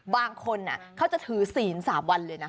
บางคนเขาจะถือศีล๓วันเลยนะ